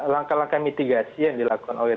langkah langkah mitigasi yang dilakukan oleh